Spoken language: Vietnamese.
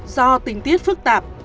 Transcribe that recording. do tình tiết phát triển